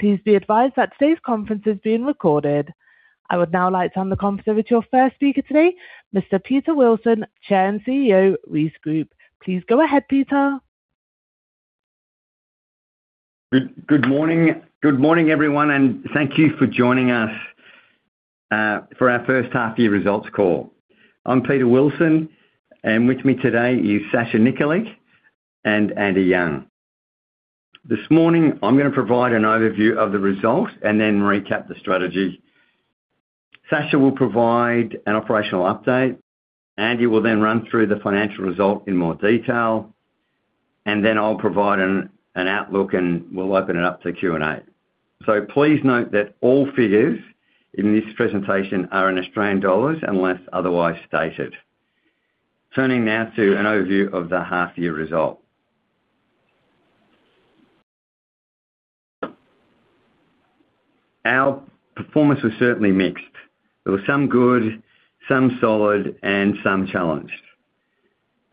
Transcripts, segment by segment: Please be advised that today's conference is being recorded. I would now like to hand the conference over to your first speaker today, Mr. Peter Wilson, Chair and CEO, Reece Group. Please go ahead, Peter. Good morning, everyone, and thank you for joining us for our first half-year results call. I'm Peter Wilson, and with me today is Sasha Nikolic and Andy Young. This morning, I'm gonna provide an overview of the results and then recap the strategy. Sasha will provide an operational update. Andy will then run through the financial result in more detail, and then I'll provide an outlook, and we'll open it up to Q&A. Please note that all figures in this presentation are in Australian dollars, unless otherwise stated. Turning now to an overview of the half-year result. Our performance was certainly mixed. There was some good, some solid, and some challenged.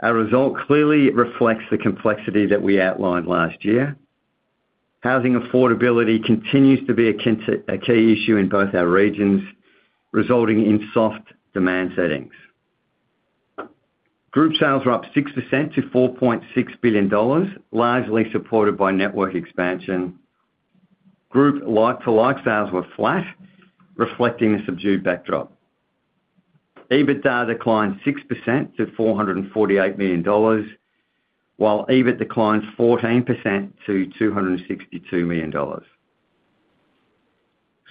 Our result clearly reflects the complexity that we outlined last year. Housing affordability continues to be a key issue in both our regions, resulting in soft demand settings. Group sales were up 6% to 4.6 billion dollars, largely supported by network expansion. Group like-for-like sales were flat, reflecting a subdued backdrop. EBITDA declined 6% to 448 million dollars, while EBIT declined 14% to 262 million dollars.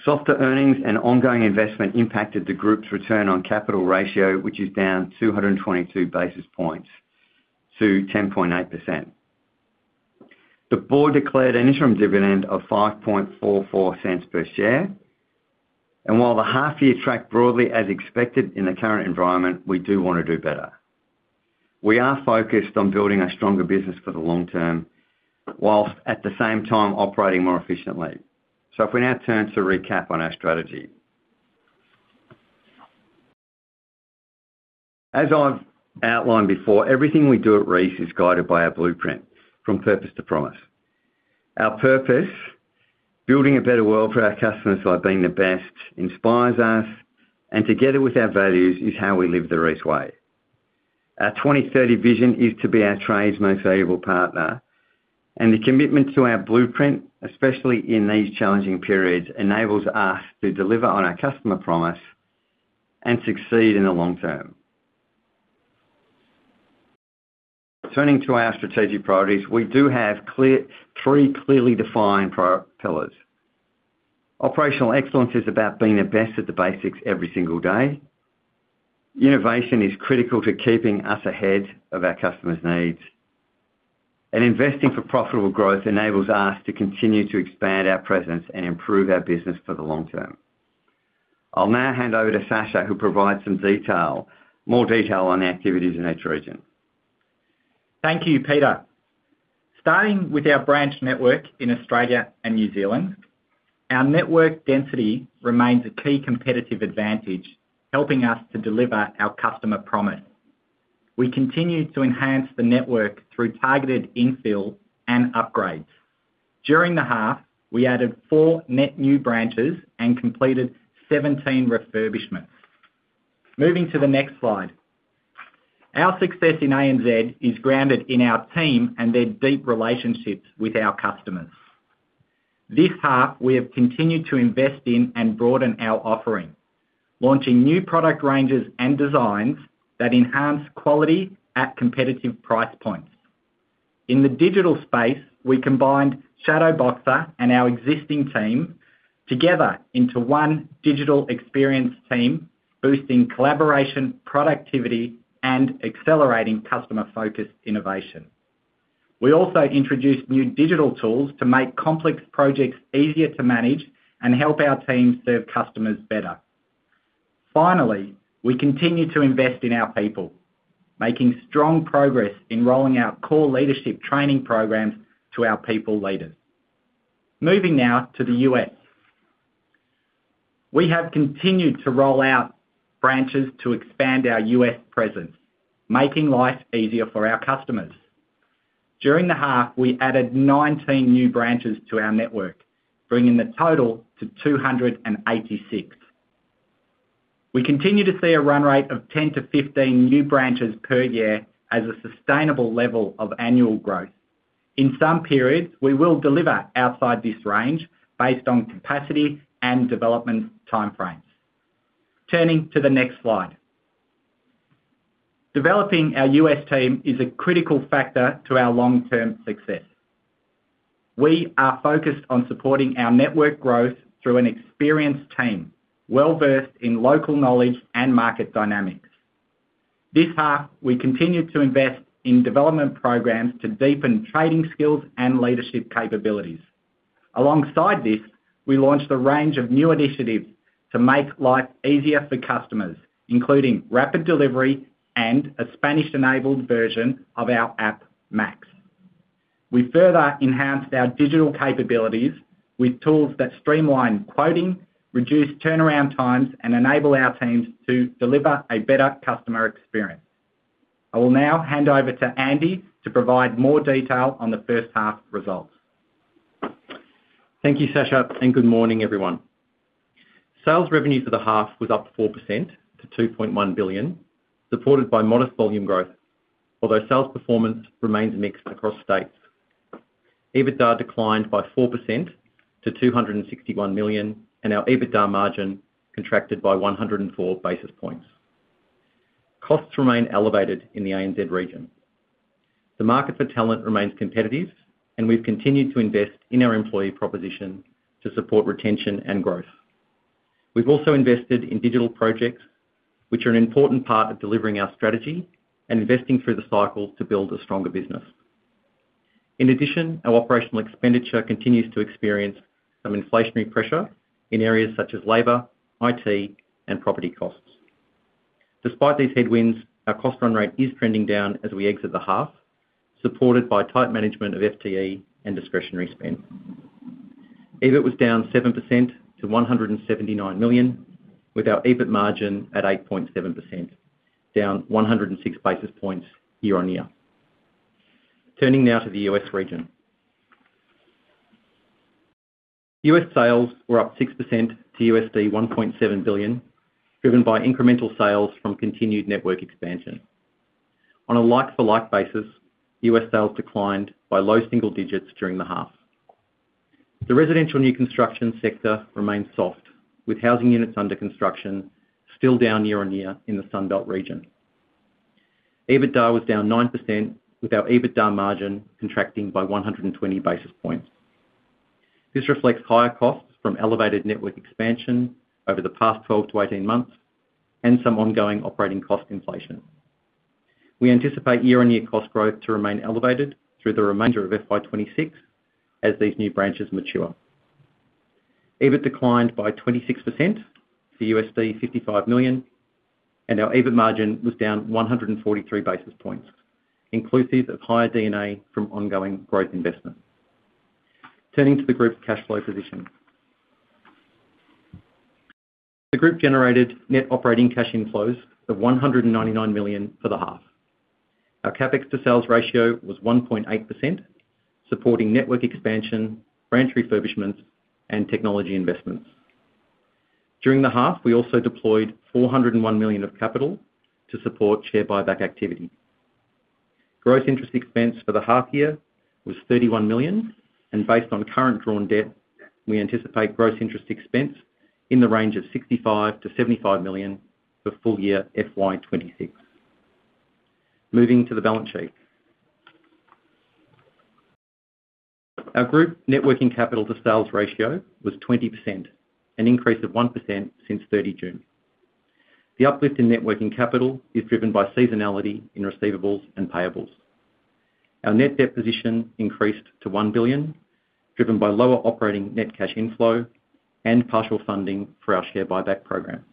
Softer earnings and ongoing investment impacted the group's return on capital ratio, which is down 222 basis points to 10.8%. The board declared an interim dividend of 0.0544 per share. While the half year tracked broadly as expected in the current environment, we do want to do better. We are focused on building a stronger business for the long term, whilst at the same time operating more efficiently. If we now turn to recap on our strategy. As I've outlined before, everything we do at Reece is guided by our blueprint from purpose to promise. Our purpose, building a better world for our customers by being the best, inspires us, and together with our values, is how we live the Reece way. Our 2030 vision is to be our trade's most valuable partner, and the commitment to our blueprint, especially in these challenging periods, enables us to deliver on our customer promise and succeed in the long term. Turning to our strategic priorities, we do have three clearly defined pillars. Operational excellence is about being the best at the basics every single day. Innovation is critical to keeping us ahead of our customers' needs. Investing for profitable growth enables us to continue to expand our presence and improve our business for the long term. I'll now hand over to Sasha, who will provide some detail, more detail on the activities in each region. Thank you, Peter. Starting with our branch network in Australia and New Zealand, our network density remains a key competitive advantage, helping us to deliver our customer promise. We continue to enhance the network through targeted infill and upgrades. During the half, we added four net new branches and completed 17 refurbishments. Moving to the next slide. Our success in ANZ is grounded in our team and their deep relationships with our customers. This half, we have continued to invest in and broaden our offering, launching new product ranges and designs that enhance quality at competitive price points. In the digital space, we combined Shadowboxer and our existing team together into one digital experience team, boosting collaboration, productivity, and accelerating customer-focused innovation. We also introduced new digital tools to make complex projects easier to manage and help our teams serve customers better. Finally, we continue to invest in our people, making strong progress in rolling out core leadership training programs to our people leaders. Moving now to the U.S. We have continued to roll out branches to expand our U.S. presence, making life easier for our customers. During the half, we added 19 new branches to our network, bringing the total to 286. We continue to see a run rate of 10-15 new branches per year as a sustainable level of annual growth. In some periods, we will deliver outside this range based on capacity and development timeframes. Turning to the next slide. Developing our U.S. team is a critical factor to our long-term success. We are focused on supporting our network growth through an experienced team, well-versed in local knowledge and market dynamics. This half, we continued to invest in development programs to deepen trading skills and leadership capabilities. Alongside this, we launched a range of new initiatives to make life easier for customers, including rapid delivery and a Spanish-enabled version of our app, maX. We further enhanced our digital capabilities with tools that streamline quoting, reduce turnaround times, and enable our teams to deliver a better customer experience. I will now hand over to Andy to provide more detail on the first half results. Thank you, Sasha. Good morning, everyone. Sales revenue for the half was up 4% to 2.1 billion, supported by modest volume growth, although sales performance remains mixed across states. EBITDA declined by 4% to 261 million, and our EBITDA margin contracted by 104 basis points. Costs remain elevated in the ANZ region. The market for talent remains competitive, and we've continued to invest in our employee proposition to support retention and growth. We've also invested in digital projects, which are an important part of delivering our strategy and investing through the cycle to build a stronger business. In addition, our operational expenditure continues to experience some inflationary pressure in areas such as labor, IT, and property costs. Despite these headwinds, our cost run rate is trending down as we exit the half, supported by tight management of FTE and discretionary spend. EBIT was down 7% to 179 million, with our EBIT margin at 8.7%, down 106 basis points year-on-year. Turning now to the US region. US sales were up 6% to $1.7 billion, driven by incremental sales from continued network expansion. On a like-for-like basis, US sales declined by low single digits during the half. The residential new construction sector remains soft, with housing units under construction still down year-on-year in the Sun Belt region. EBITDA was down 9%, with our EBITDA margin contracting by 120 basis points. This reflects higher costs from elevated network expansion over the past 12-18 months and some ongoing operating cost inflation. We anticipate year-on-year cost growth to remain elevated through the remainder of FY26 as these new branches mature. EBIT declined by 26% to $55 million, and our EBIT margin was down 143 basis points, inclusive of higher D&A from ongoing growth investment. Turning to the group's cash flow position. The group generated net operating cash inflows of $199 million for the half. Our CapEx to sales ratio was 1.8%, supporting network expansion, branch refurbishments, and technology investments. During the half, we also deployed $401 million of capital to support share buyback activity. Gross interest expense for the half year was $31 million, and based on current drawn debt, we anticipate gross interest expense in the range of $65 million to $75 million for full year FY26. Moving to the balance sheet. Our group net working capital to sales ratio was 20%, an increase of 1% since 30 June. The uplift in net working capital is driven by seasonality in receivables and payables. Our net debt position increased to 1 billion, driven by lower operating net cash inflow and partial funding for our share buyback program.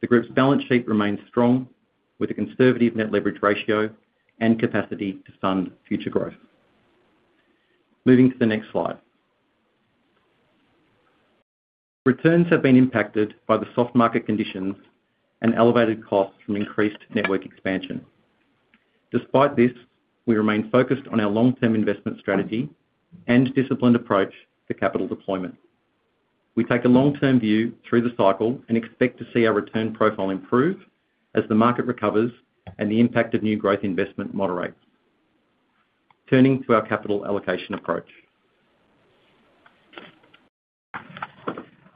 The group's balance sheet remains strong, with a conservative net leverage ratio and capacity to fund future growth. Moving to the next slide. Returns have been impacted by the soft market conditions and elevated costs from increased network expansion. Despite this, we remain focused on our long-term investment strategy and disciplined approach to capital deployment. We take a long-term view through the cycle and expect to see our return profile improve as the market recovers and the impact of new growth investment moderates. Turning to our capital allocation approach.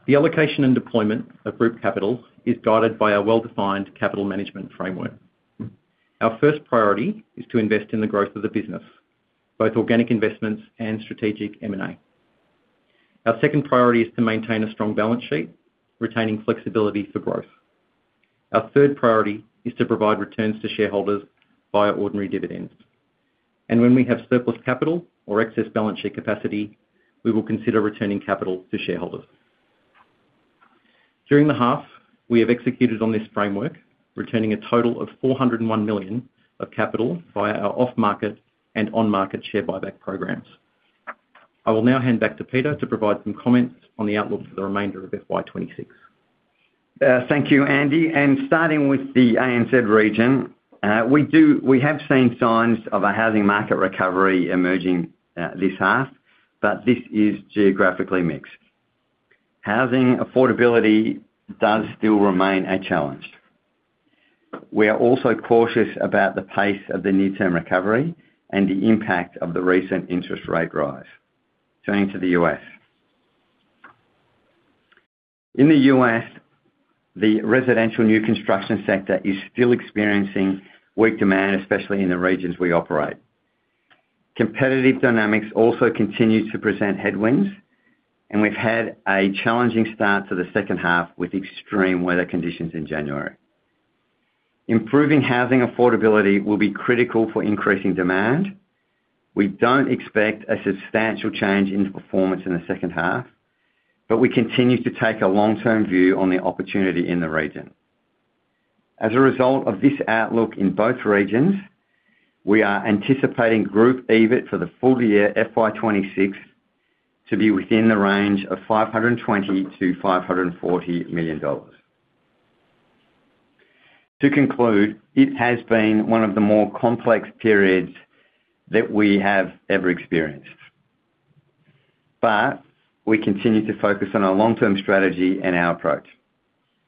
The allocation and deployment of group capital is guided by our well-defined capital management framework. Our first priority is to invest in the growth of the business, both organic investments and strategic M&A. Our second priority is to maintain a strong balance sheet, retaining flexibility for growth. Our third priority is to provide returns to shareholders via ordinary dividends. When we have surplus capital or excess balance sheet capacity, we will consider returning capital to shareholders. During the half, we have executed on this framework, returning a total of 401 million of capital via our off-market and on-market share buyback programs. I will now hand back to Peter to provide some comments on the outlook for the remainder of FY26. Thank you, Andy. Starting with the ANZ region, we have seen signs of a housing market recovery emerging this half. This is geographically mixed. Housing affordability does still remain a challenge. We are also cautious about the pace of the near-term recovery and the impact of the recent interest rate rise. Turning to the U.S. In the U.S., the residential new construction sector is still experiencing weak demand, especially in the regions we operate. Competitive dynamics also continue to present headwinds. We've had a challenging start to the second half with extreme weather conditions in January. Improving housing affordability will be critical for increasing demand. We don't expect a substantial change in performance in the second half. We continue to take a long-term view on the opportunity in the region. As a result of this outlook in both regions-... We are anticipating group EBIT for the full year, FY26, to be within the range of 520 million-540 million dollars. To conclude, it has been one of the more complex periods that we have ever experienced. We continue to focus on our long-term strategy and our approach.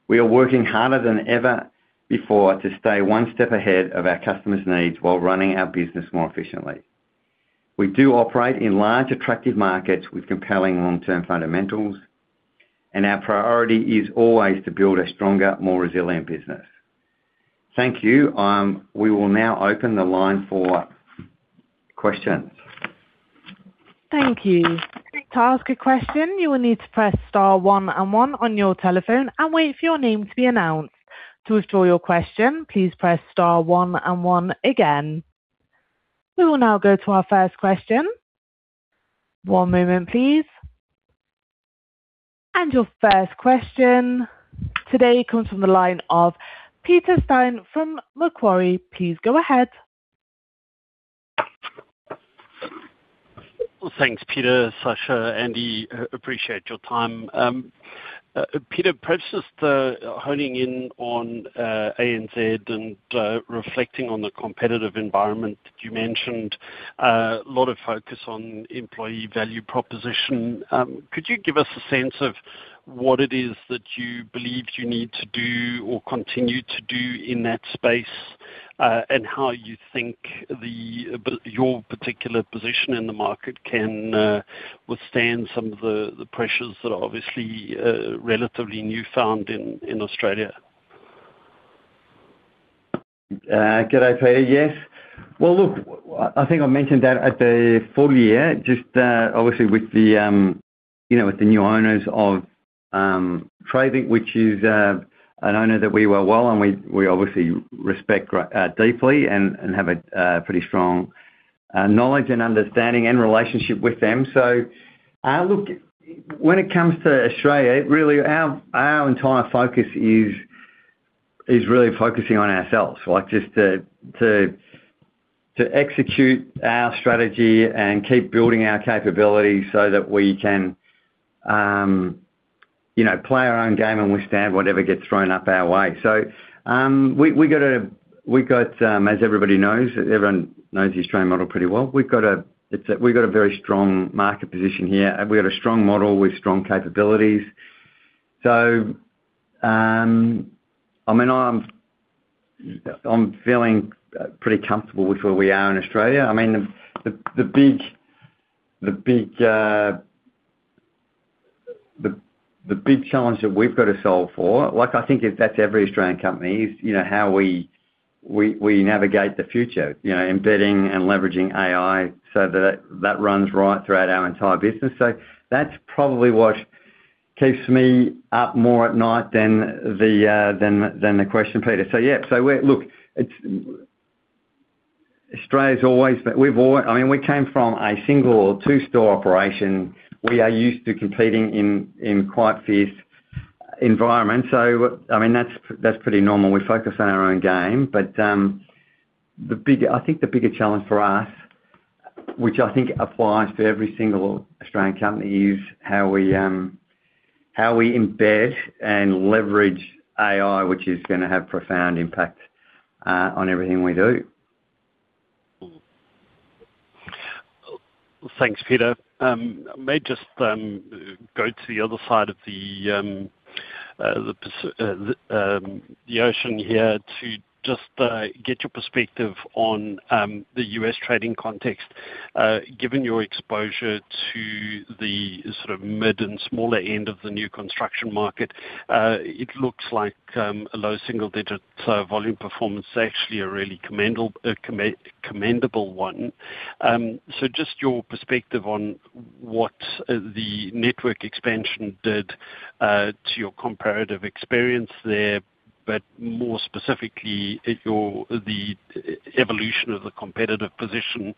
We are working harder than ever before to stay one step ahead of our customers' needs while running our business more efficiently. We do operate in large, attractive markets with compelling long-term fundamentals. Our priority is always to build a stronger, more resilient business. Thank you. We will now open the line for questions. Thank you. To ask a question, you will need to press star one and one on your telephone and wait for your name to be announced. To withdraw your question, please press star one and one again. We will now go to our first question. One moment, please. Your first question today comes from the line of Peter Steyn from Macquarie. Please go ahead. Well, thanks, Peter, Sasha, Andy, appreciate your time. Peter, perhaps just honing in on ANZ and reflecting on the competitive environment that you mentioned, a lot of focus on employee value proposition. Could you give us a sense of what it is that you believe you need to do or continue to do in that space, and how you think the your particular position in the market can withstand some of the, the pressures that are obviously, relatively newfound in Australia? Good day, Peter. Yes. Well, look, I think I mentioned that at the full year, just, obviously with the, you know, with the new owners of Tradelink, which is an owner that we know well, and we obviously respect deeply and have a pretty strong knowledge and understanding and relationship with them. Look, when it comes to Australia, really, our entire focus is really focusing on ourselves, like, just to execute our strategy and keep building our capabilities so that we can, you know, play our own game and withstand whatever gets thrown up our way. We've got, as everybody knows, everyone knows the Australian model pretty well. We've got a very strong market position here, and we've got a strong model with strong capabilities. I mean, I'm, I'm feeling pretty comfortable with where we are in Australia. I mean, the big, the big, the big challenge that we've got to solve for, like, I think if that's every Australian company, is, you know, how we, we, we navigate the future, you know, embedding and leveraging AI so that, that runs right throughout our entire business. That's probably what keeps me up more at night than the, than the, than the question, Peter. Yeah, so we're, look, it's... Australia's always been, we've always. I mean, we came from a single two-store operation. We are used to competing in, in quite fierce environments. I mean, that's, that's pretty normal. We focus on our own game. The big, I think the bigger challenge for us, which I think applies to every single Australian company, is how we, how we embed and leverage AI, which is gonna have profound impact, on everything we do. Thanks, Peter. I may just go to the other side of the the ocean here to just get your perspective on the US trading context. Given your exposure to the sort of mid and smaller end of the new construction market, it looks like a low single digit volume performance is actually a really commendal commendable one. Just your perspective on what the network expansion did to your comparative experience there, but more specifically, the evolution of the competitive position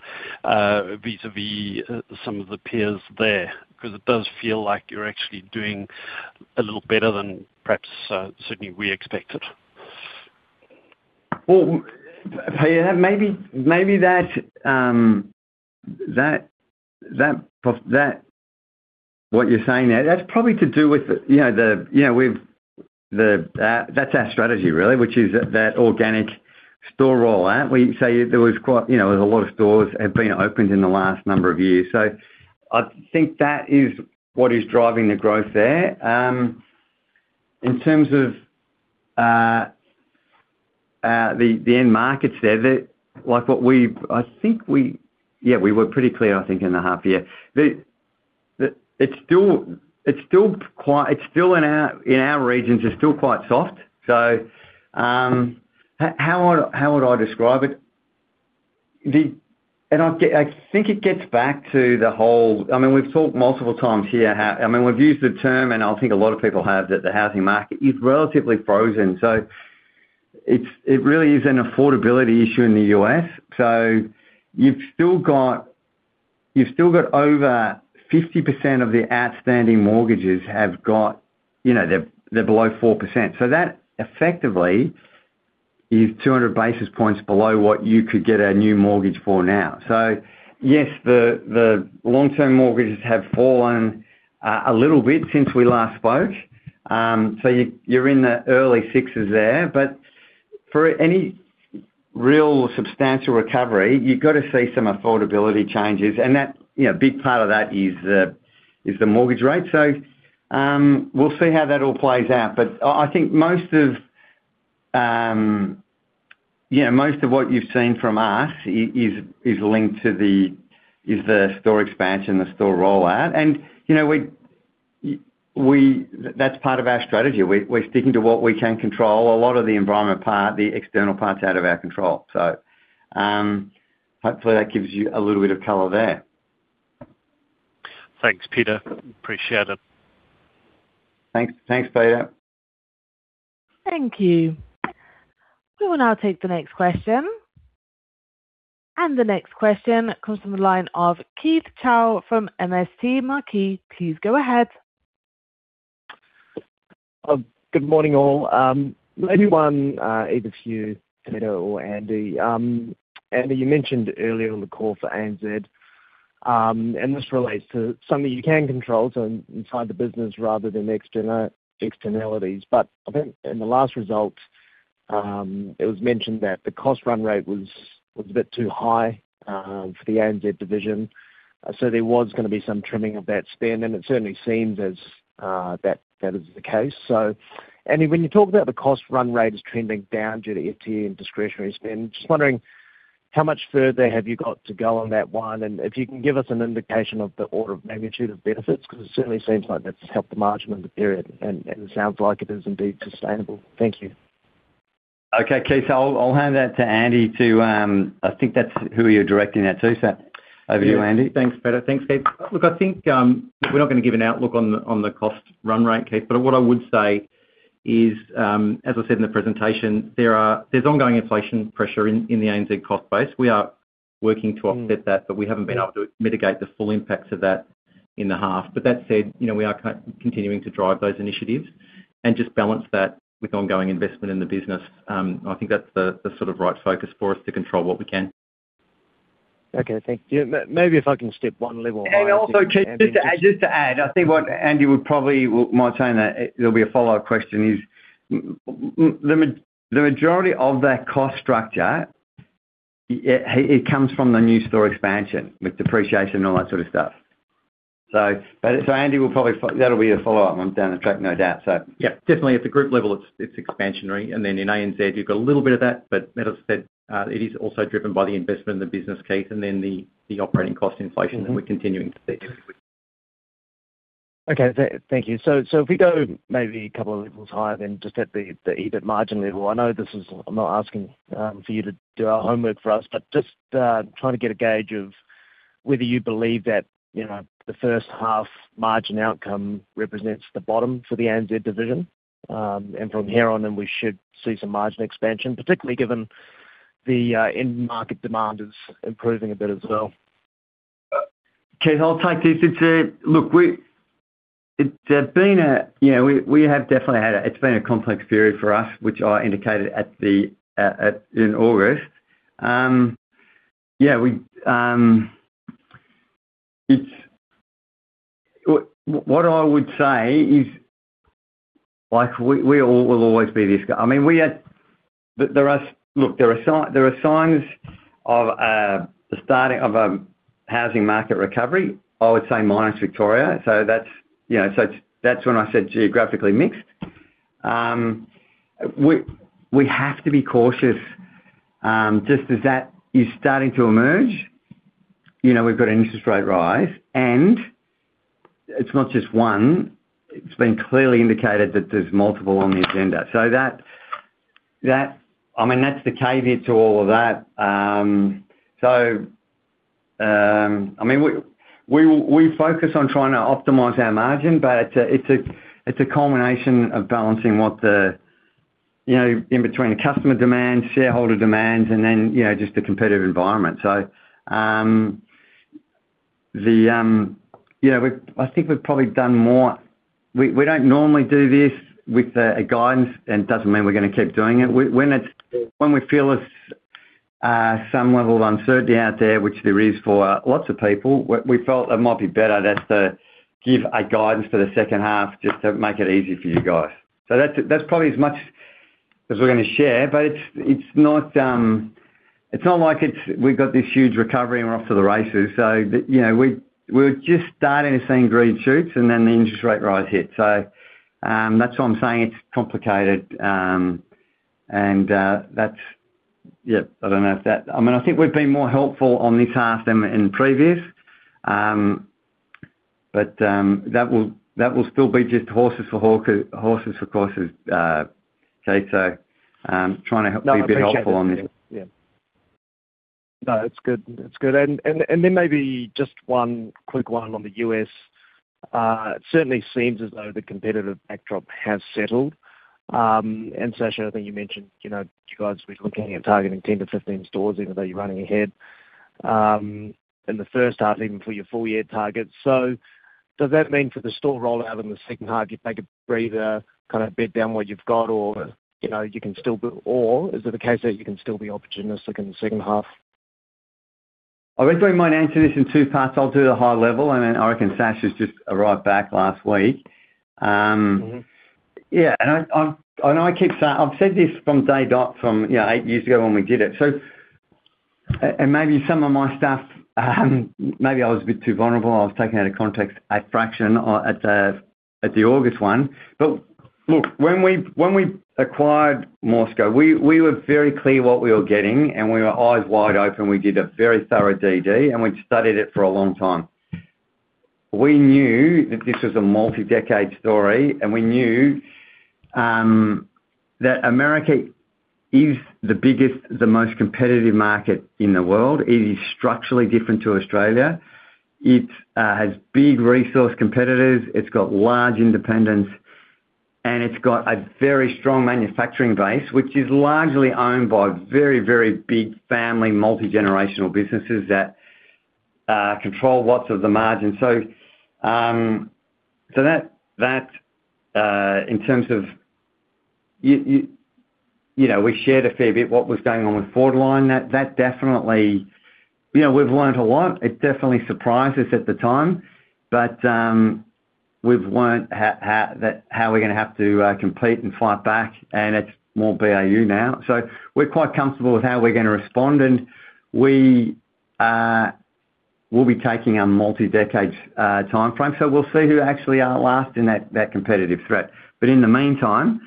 vis-à-vis some of the peers there, because it does feel like you're actually doing a little better than perhaps certainly we expected. Well, Peter, maybe, maybe that, what you're saying there, that's probably to do with the, you know, that's our strategy, really, which is that organic store rollout. We say there was quite, you know, there was a lot of stores have been opened in the last number of years. I think that is what is driving the growth there. In terms of the end markets there, like we were pretty clear, I think, in the half year. It's still in our regions, it's still quite soft. How would I, how would I describe it? I think it gets back to the whole... I mean, we've talked multiple times here, how, I mean, we've used the term, and I think a lot of people have, that the housing market is relatively frozen. It's, it really is an affordability issue in the US. You've still got over 50% of the outstanding mortgages have got, you know, they're, they're below 4%. That effectively is 200 basis points below what you could get a new mortgage for now. Yes, the, the long-term mortgages have fallen, a little bit since we last spoke. You, you're in the early 6s there, but for any real substantial recovery, you've got to see some affordability changes, and that, you know, a big part of that is the, is the mortgage rate. We'll see how that all plays out. I, I think most of, yeah, most of what you've seen from us is, is linked to the, is the store expansion, the store rollout, and, you know, we, we-- that's part of our strategy. We, we're sticking to what we can control. A lot of the environment part, the external part's out of our control. Hopefully, that gives you a little bit of color there. Thanks, Peter. Appreciate it. Thanks. Thanks, Peter. Thank you. We will now take the next question. The next question comes from the line of Keith Chau from MST Marquee. Please go ahead. Good morning, all. Maybe one, either for you, Peter or Andy. Andy, you mentioned earlier on the call for ANZ, and this relates to something you can control, so inside the business rather than external, externalities. I think in the last results, it was mentioned that the cost run rate was, was a bit too high, for the ANZ division, so there was gonna be some trimming of that spend, and it certainly seems as, that, that is the case. Andy, when you talk about the cost run rate is trending down due to FTE and discretionary spend, just wondering how much further have you got to go on that one? If you can give us an indication of the order of magnitude of benefits, 'cause it certainly seems like that's helped the margin in the period, and, and it sounds like it is indeed sustainable. Thank you. Okay, Keith. I'll, I'll hand that to Andy, to... I think that's who you're directing that to. Over to you, Andy. Thanks, Peter. Thanks, Keith. Look, I think, we're not gonna give an outlook on the, on the cost run rate, Keith. What I would say is, as I said in the presentation, there's ongoing inflation pressure in the ANZ cost base. We are working to offset that, but we haven't been able to mitigate the full impacts of that in the half. That said, you know, we are continuing to drive those initiatives and just balance that with ongoing investment in the business. I think that's the sort of right focus for us to control what we can. Okay, thank you. Maybe if I can step one level higher... Also, Keith, just to add, just to add, I think what Andy would probably... Well, my saying that, there'll be a follow-up question, is the majority of that cost structure, it comes from the new store expansion, with depreciation and all that sort of stuff. Andy will probably that'll be a follow-up down the track, no doubt. Definitely at the group level, it's, it's expansionary, then in ANZ, you've got a little bit of that, but that said, it is also driven by the investment in the business, Keith Chau, and then the, the operating cost inflation, and we're continuing to see. Thank you. If we go maybe a couple of levels higher, just at the EBIT margin level, I know this is... I'm not asking for you to do our homework for us, but just trying to get a gauge of whether you believe that, you know, the first half margin outcome represents the bottom for the ANZ division, from here on, we should see some margin expansion, particularly given the end market demand is improving a bit as well. Keith, I'll take this. It's, look, you know, it's been a complex period for us, which I indicated at the, at, at, in August. Yeah, what I would say is, like, we all will always be this guy. I mean, we had. There are, look, there are signs of a starting of a housing market recovery, I would say minus Victoria. That's, you know, that's when I said geographically mixed. We have to be cautious, just as that is starting to emerge, you know, we've got an interest rate rise, and it's not just one, it's been clearly indicated that there's multiple on the agenda. That. I mean, that's the caveat to all of that. I mean, we, we, we focus on trying to optimize our margin, but it's a, it's a, it's a combination of balancing what the, you know, in between customer demands, shareholder demands, and then, you know, just the competitive environment. The, you know, we've I think we've probably done more. We, we don't normally do this with the, a guidance, and it doesn't mean we're gonna keep doing it. When it's, when we feel it's, some level of uncertainty out there, which there is for lots of people, we felt it might be better just to give a guidance for the second half, just to make it easy for you guys. That's, that's probably as much as we're gonna share, but it's, it's not, it's not like it's we've got this huge recovery and we're off to the races. You know, we, we're just starting to see green shoots, and then the interest rate rise hit. That's why I'm saying it's complicated, and that's... Yeah, I don't know if that-- I mean, I think we've been more helpful on this half than in previous. But that will, that will still be just horses for courses, horses for courses, Keith. Trying to help be a bit helpful on this. Yeah. No, it's good. It's good. Then maybe just one quick one on the U.S. It certainly seems as though the competitive backdrop has settled. Sasha, I think you mentioned, you know, you guys were looking at targeting 10-15 stores, even though you're running ahead in the first half, even for your full-year target. Does that mean for the store rollout in the second half, you take a breather, kind of bed down what you've got or, you know, you can still build? Or is it the case that you can still be opportunistic in the second half? I think we might answer this in two parts. I'll do the high level. Then I reckon Sasha's just arrived back last week. Mm-hmm. Yeah, I keep saying, I've said this from day dot, from, you know, 8 years ago when we did it. Maybe some of my stuff, maybe I was a bit too vulnerable. I was taken out of context at Fraction or at the August one. Look, when we acquired MORSCO, we were very clear what we were getting, and we were eyes wide open. We did a very thorough DD, and we studied it for a long time. We knew that this was a multi-decade story, and we knew that America is the biggest, the most competitive market in the world. It is structurally different to Australia. It has big resource competitors, it's got large independents, and it's got a very strong manufacturing base, which is largely owned by very, very big family, multi-generational businesses that control lots of the margins. That, in terms of, you know, we shared a fair bit what was going on with Fortiline. That definitely, you know, we've learned a lot. It definitely surprised us at the time, but we've learned how we're gonna have to compete and fight back, and it's more BAU now. We're quite comfortable with how we're gonna respond, and we will be taking a multi-decade timeframe. We'll see who actually outlasts in that competitive threat. In the meantime,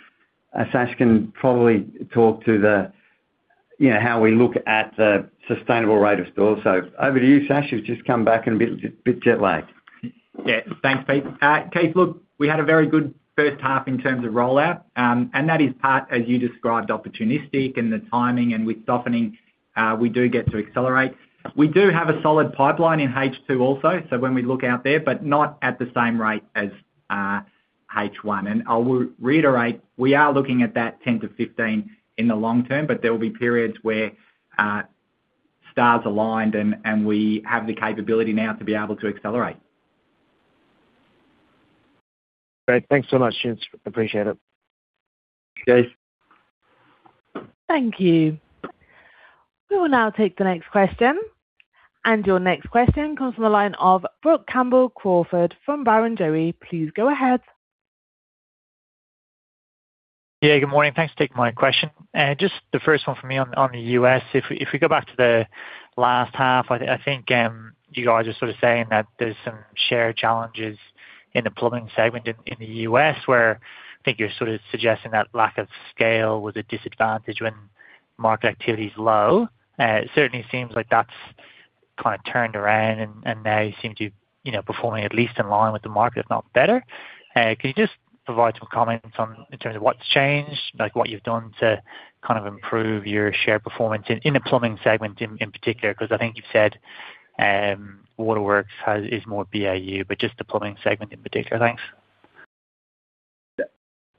Sash can probably talk to the, you know, how we look at the sustainable rate of stores. Over to you, Sash, you've just come back and a bit jet lagged. Yeah. Thanks, Pete. Keith, look, we had a very good first half in terms of rollout, and that is part, as you described, opportunistic and the timing, and with softening, we do get to accelerate. We do have a solid pipeline in H2 also, when we look out there, but not at the same rate as H1. I will reiterate, we are looking at that 10-15 in the long term, but there will be periods where stars aligned and, and we have the capability now to be able to accelerate. Great. Thanks so much, gents. Appreciate it. Thanks. Thank you. We will now take the next question. Your next question comes from the line of Brook Campbell-Crawford from Barrenjoey. Please go ahead. Yeah, good morning. Thanks for taking my question. Just the first one for me on, on the US. If we, if we go back to the last half, I think, you guys are sort of saying that there's some shared challenges in the plumbing segment in, in the US, where I think you're sort of suggesting that lack of scale was a disadvantage when market activity is low. It certainly seems like that's kind of turned around and, and now you seem to be, you know, performing at least in line with the market, if not better. Can you just provide some comments on in terms of what's changed, like what you've done to kind of improve your share performance in, in the plumbing segment in, in particular? 'Cause I think you've said, Waterworks has, is more BAU, but just the plumbing segment in particular. Thanks.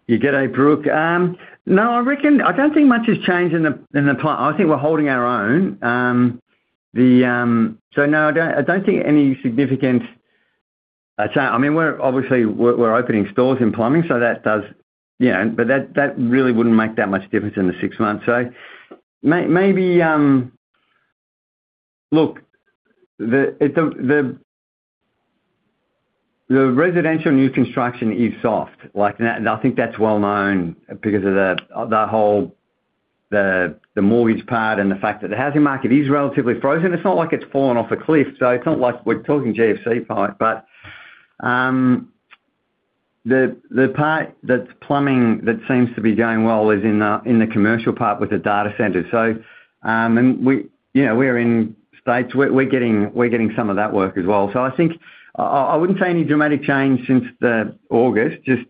You get it, Brook. No, I reckon I don't think much has changed. I think we're holding our own. No, I don't, I don't think any significant. I mean, obviously, we're, we're opening stores in plumbing, so that does, you know, but that really wouldn't make that much difference in the 6 months. Look, the residential new construction is soft. Like, I think that's well known because of the whole mortgage part and the fact that the housing market is relatively frozen. It's not like it's fallen off a cliff, so it's not like we're talking GFC part. The part that's plumbing that seems to be going well is in the commercial part with the data centers. And we, you know, we're in states, we're, we're getting, we're getting some of that work as well. I think I, I, I wouldn't say any dramatic change since the August, just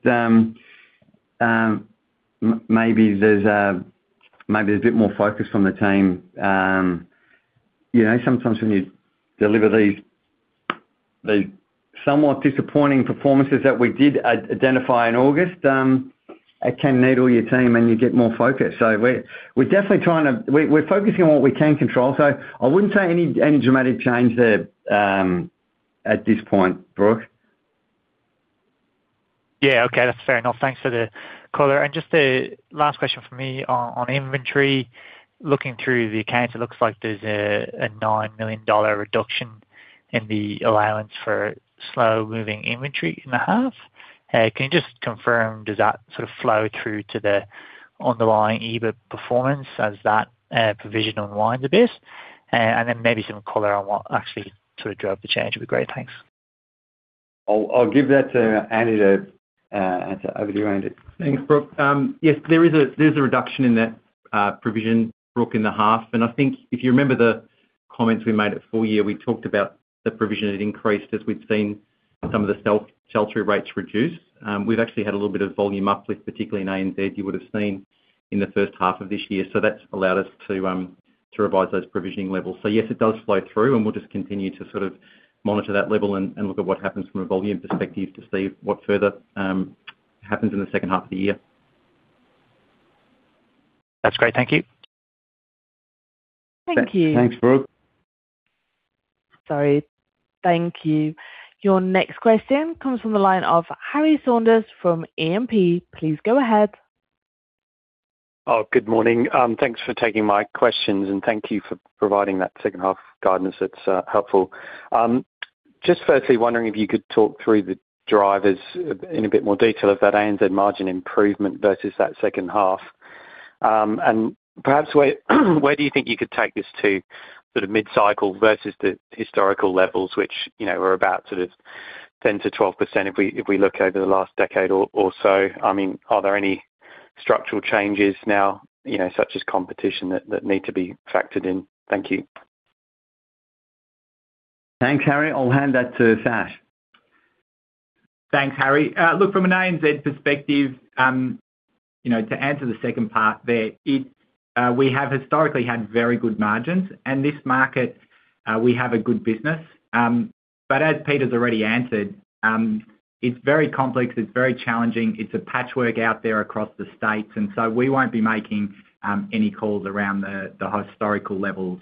maybe there's a bit more focus on the team. You know, sometimes when you deliver these, the somewhat disappointing performances that we did identify in August, it can needle your team, and you get more focused. We're, we're definitely trying to we're, we're focusing on what we can control. I wouldn't say any, any dramatic change there, at this point, Brooke. Yeah, okay. That's fair enough. Thanks for the color. Just a last question for me on inventory. Looking through the accounts, it looks like there's a 9 million dollar reduction in the allowance for slow-moving inventory in the half. Can you just confirm, does that sort of flow through to the underlying EBIT performance as that provision unwinds a bit? Then maybe some color on what actually sort of drove the change would be great. Thanks. I'll, I'll give that to Andy to, and over to you, Andy. Thanks, Brooke. Yes, there is a, there's a reduction in that provision, Brooke, in the half. I think if you remember the comments we made at full year, we talked about the provision had increased as we've seen some of the sell, sell-through rates reduce. We've actually had a little bit of volume uplift, particularly in ANZ, you would have seen in the first half of this year. That's allowed us to.... to revise those provisioning levels. Yes, it does flow through, and we'll just continue to sort of monitor that level and, and look at what happens from a volume perspective to see what further happens in the second half of the year. That's great. Thank you. Thank you. Thanks, Brook. Sorry. Thank you. Your next question comes from the line of Harry Saunders from E&P. Please go ahead. Oh, good morning. Thanks for taking my questions, thank you for providing that second half guidance. It's helpful. Just firstly, wondering if you could talk through the drivers in a bit more detail of that ANZ margin improvement versus that second half. Perhaps where, where do you think you could take this to sort of mid-cycle versus the historical levels, which, you know, were about sort of 10 to 12% if we, if we look over the last decade or, or so? I mean, are there any structural changes now, you know, such as competition, that, that need to be factored in? Thank you. Thanks, Harry. I'll hand that to Sash. Thanks, Harry. Look, from an ANZ perspective, you know, to answer the second part there, we have historically had very good margins, and this market, we have a good business. As Peter's already answered, it's very complex, it's very challenging, it's a patchwork out there across the states, and so we won't be making any calls around historical levels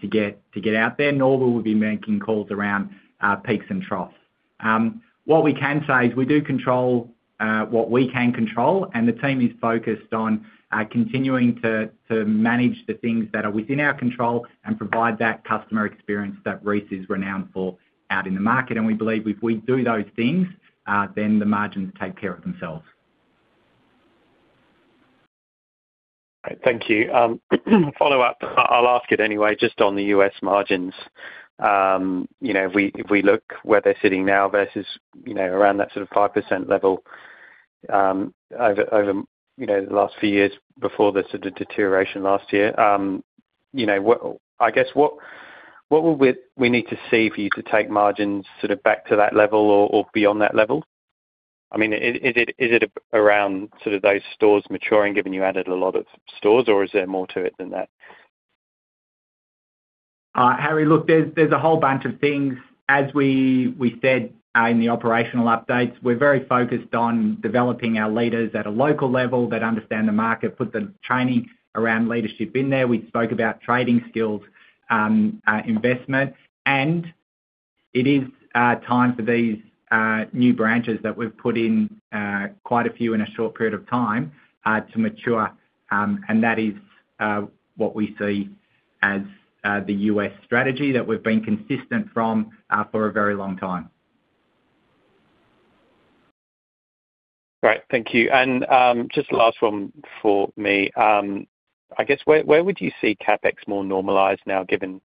to get out there, nor will we be making calls around peaks and troughs. What we can say is we do control what we can control, and the team is focused on continuing to manage the things that are within our control and provide that customer experience that Reece is renowned for out in the market. We believe if we do those things, then the margins take care of themselves. Great, thank you. follow up, I'll ask it anyway, just on the US margins. you know, if we, if we look where they're sitting now versus, you know, around that sort of 5% level, over, over, you know, the last few years before the sort of deterioration last year, you know, what I guess, what, what would we, we need to see for you to take margins sort of back to that level or, or beyond that level? I mean, is, is it, is it around sort of those stores maturing, given you added a lot of stores, or is there more to it than that? Harry, look, there's, there's a whole bunch of things. As we, we said, in the operational updates, we're very focused on developing our leaders at a local level that understand the market, put the training around leadership in there. We spoke about trading skills, investment, and it is time for these new branches that we've put in, quite a few in a short period of time, to mature. That is what we see as the US strategy that we've been consistent from, for a very long time. Great, thank you. Just the last one from me. I guess, where, where would you see CapEx more normalized now, given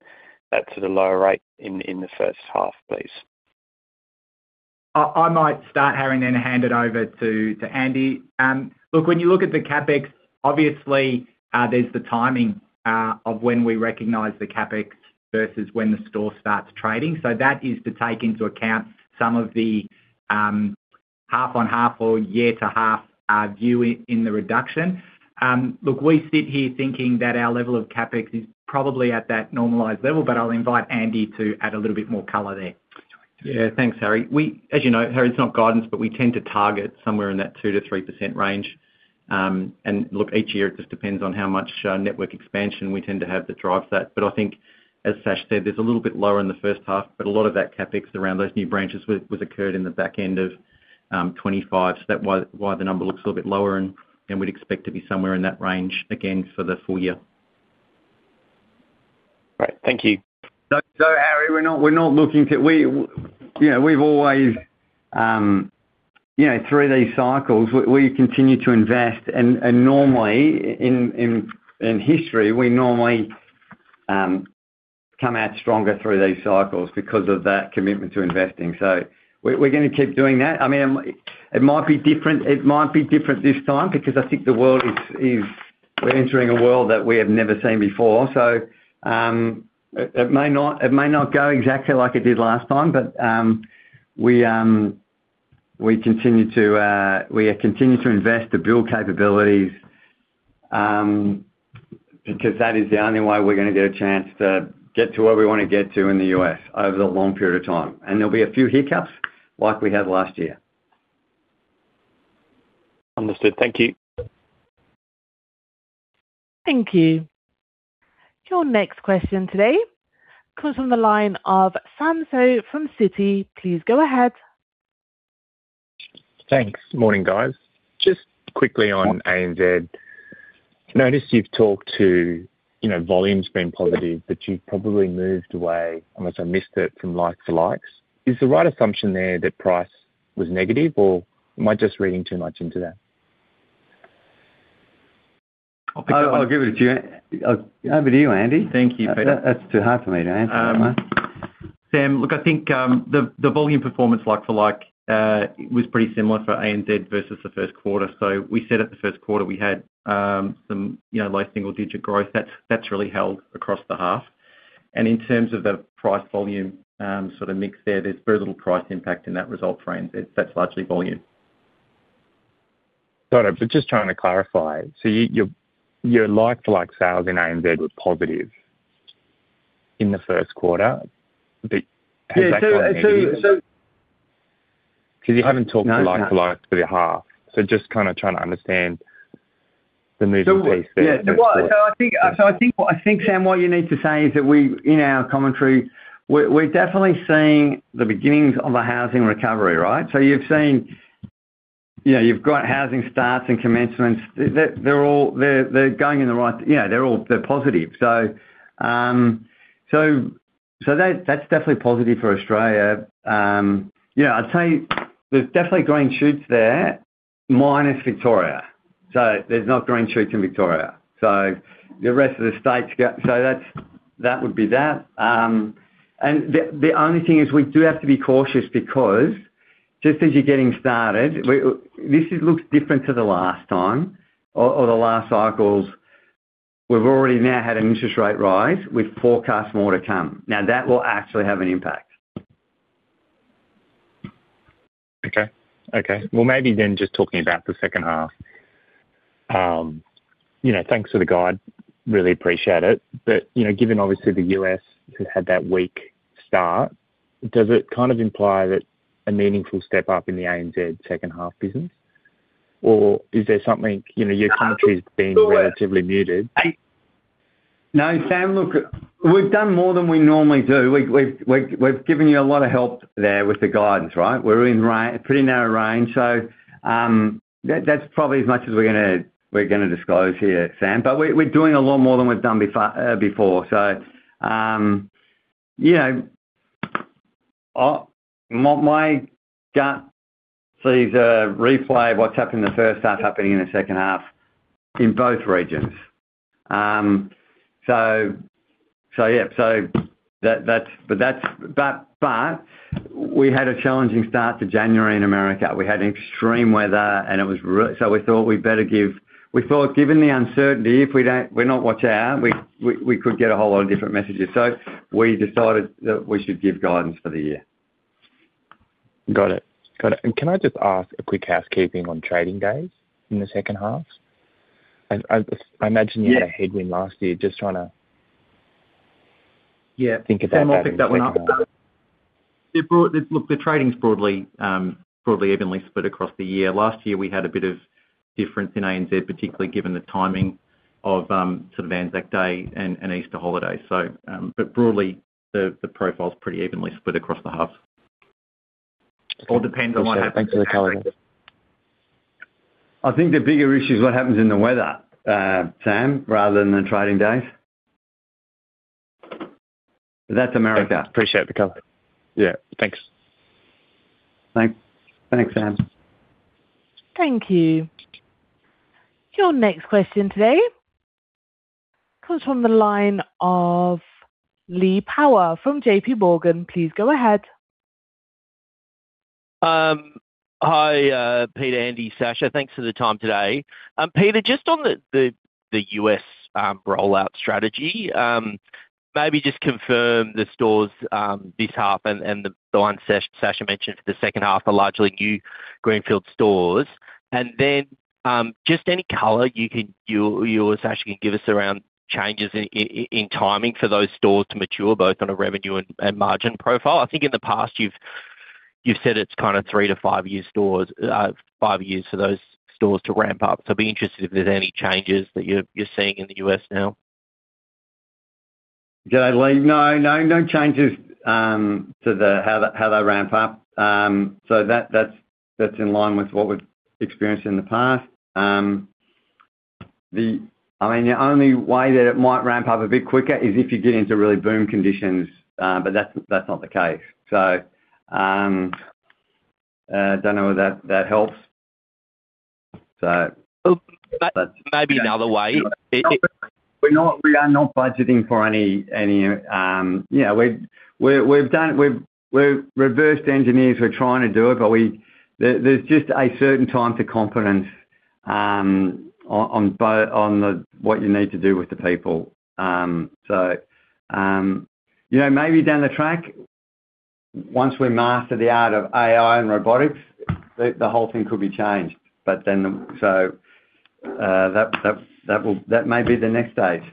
that sort of lower rate in the first half, please? I, I might start, Harry, and then hand it over to, to Andy. Look, when you look at the CapEx, obviously, there's the timing of when we recognize the CapEx versus when the store starts trading. That is to take into account some of the half-on-half or year-to-half view in the reduction. Look, we sit here thinking that our level of CapEx is probably at that normalized level, but I'll invite Andy to add a little bit more color there. Yeah. Thanks, Harry. As you know, Harry, it's not guidance, but we tend to target somewhere in that 2 to 3% range. Look, each year, it just depends on how much network expansion we tend to have to drive that. I think, as Sash said, it's a little bit lower in the first half, but a lot of that CapEx around those new branches was occurred in the back end of 2025. That why, why the number looks a little bit lower and, and we'd expect to be somewhere in that range again for the full year. Great. Thank you. Harry, we're not, we're not looking to. We, you know, we've always, you know, through these cycles, we, we continue to invest. Normally in history, we normally come out stronger through these cycles because of that commitment to investing. We're gonna keep doing that. I mean, it might be different, it might be different this time because I think the world is we're entering a world that we have never seen before. It, it may not, it may not go exactly like it did last time, but we continue to invest to build capabilities because that is the only way we're gonna get a chance to get to where we want to get to in the U.S. over the long period of time. There'll be a few hiccups like we had last year. Understood. Thank you. Thank you. Your next question today comes from the line of Sam Seow from Citi. Please go ahead. Thanks. Morning, guys. Just quickly on ANZ, noticed you've talked to, you know, volumes being positive, but you've probably moved away, unless I missed it, from likes to likes. Is the right assumption there that price was negative, or am I just reading too much into that? I'll give it to you. Over to you, Andy. Thank you, Peter. That's too hard for me to answer. Sam, look, I think, the, the volume performance like for like, was pretty similar for ANZ versus the Q1. We said at the Q1, we had, some, you know, low single-digit growth, that's, that's really held across the half. In terms of the price volume, sort of mix there, there's very little price impact in that result for ANZ. That's largely volume. Got it. Just trying to clarify, so your, your like-for-like sales in ANZ were positive in the Q1, but... Yeah. Because you haven't talked like-for-like for the half. Just kind of trying to understand the moving piece there. Yeah. Well, so I think, so I think, Sam, what you need to say is that we, in our commentary, we're, we're definitely seeing the beginnings of a housing recovery, right? Yeah, you've got housing starts and commencements. They're, they're all, they're, they're going in the right. They're all, they're positive. That, that's definitely positive for Australia. Yeah, I'd say there's definitely green shoots there, minus Victoria. There's not green shoots in Victoria. The rest of the states, yeah, so that's, that would be that. The, the only thing is we do have to be cautious because just as you're getting started, we, this looks different to the last time or, or the last cycles. We've already now had an interest rate rise. We've forecast more to come. Now, that will actually have an impact. Okay. Okay. Maybe just talking about the second half. You know, thanks for the guide. Really appreciate it. You know, given obviously the U.S. had that weak start, does it kind of imply that a meaningful step up in the ANZ second half business? Or is there something, you know, your country is being relatively muted? No, Sam, look, we've done more than we normally do. We've, we've, we've given you a lot of help there with the guidance, right? We're in pretty narrow range, so that's probably as much as we're gonna disclose here, Sam. We're, we're doing a lot more than we've done before. Yeah, my gut sees a replay of what's happened in the first half happening in the second half in both regions. Yeah, so that's, but that's, but, but we had a challenging start to January in America. We had extreme weather, and it was so we thought we better give. We thought, given the uncertainty, if we don't, we're not watch out, we, we, we could get a whole lot of different messages. We decided that we should give guidance for the year. Got it. Got it. Can I just ask a quick housekeeping on trading days in the second half? I, I, I imagine you had a headwind last year, just trying to- Yeah. think about that. I'll pick that one up. Look, the trading is broadly, broadly evenly split across the year. Last year, we had a bit of difference in ANZ, particularly given the timing of, sort of Anzac Day and Easter holidays. But broadly, the, the profile is pretty evenly split across the halves. All depends on what happens. Thanks for the clarity. I think the bigger issue is what happens in the weather, Sam, rather than the trading days. That's America. Appreciate the clarity. Yeah, thanks. Thanks. Thanks, Sam. Thank you. Your next question today comes from the line of Lee Power from JPMorgan. Please go ahead. Hi, Peter, Andy, Sasha. Thanks for the time today. Peter, just on the US rollout strategy, maybe just confirm the stores this half and the one Sasha mentioned for the second half are largely new greenfield stores. Then, just any color you or Sasha can give us around changes in timing for those stores to mature, both on a revenue and margin profile. I think in the past, you've said it's kind of 3-5 years stores, five years for those stores to ramp up. I'd be interested if there's any changes that you're seeing in the US now. G'day, Lee. No, no, no changes, to the, how the, how they ramp up. That, that's, that's in line with what we've experienced in the past. I mean, the only way that it might ramp up a bit quicker is if you get into really boom conditions, but that's, that's not the case. Don't know whether that, that helps. Well, maybe another way. We're not. We are not budgeting for any, any, you know. We've, we've, we've done. We've, we've reversed engineers who are trying to do it, but we. There, there's just a certain time to confidence, on, on the, what you need to do with the people. You know, maybe down the track, once we master the art of AI and robotics, the, the whole thing could be changed. Then, so, that, that, that will, that may be the next stage.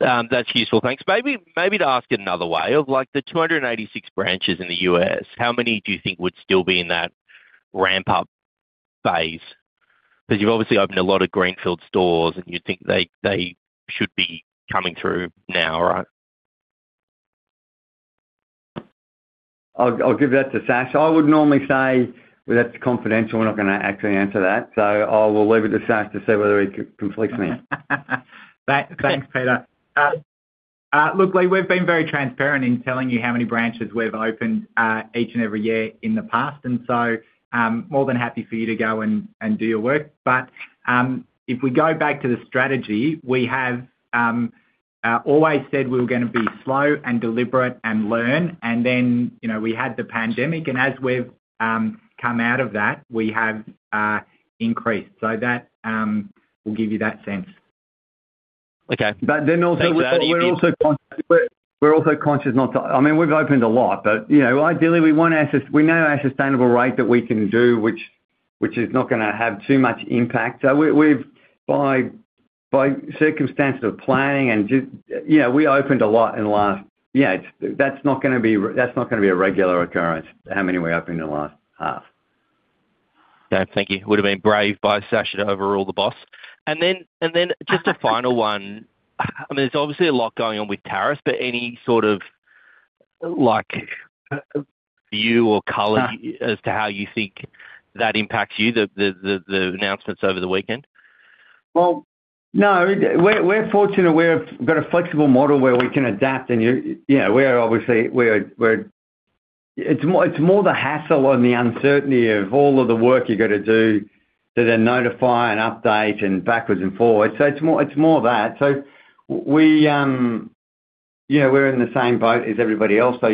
That's useful. Thanks. Maybe, maybe to ask it another way. Of like the 286 branches in the US, how many do you think would still be in that ramp-up phase? Because you've obviously opened a lot of greenfield stores, and you think they, they should be coming through now, right? I'll, I'll give that to Sasha. I would normally say, "Well, that's confidential. We're not going to actually answer that." I will leave it to Sasha to see whether it conflicts me. Thanks. Thanks, Peter. look, Lee, we've been very transparent in telling you how many branches we've opened each and every year in the past, and so more than happy for you to go and, and do your work. If we go back to the strategy, we have always said we were gonna be slow and deliberate and learn, and then, you know, we had the pandemic, and as we've come out of that, we have increased. That will give you that sense.... Okay. Also, we're also conscious not to. I mean, we've opened a lot, but, you know, ideally, we want our sustainable rate that we can do, which is not gonna have too much impact. We've, by circumstance of planning and just, you know, we opened a lot in the last. Yeah, that's not gonna be, that's not gonna be a regular occurrence, how many we opened in the last half. Okay, thank you. Would have been brave by Sasha to overrule the boss. Then, just a final one. I mean, there's obviously a lot going on with tariffs, but any sort of like, view or color as to how you think that impacts you, the announcements over the weekend? Well, no, we're, we're fortunate we have got a flexible model where we can adapt and, you know, we're obviously, we're, we're. It's more, it's more the hassle and the uncertainty of all of the work you've got to do to then notify and update and backwards and forwards. It's more, it's more of that. We, you know, we're in the same boat as everybody else, so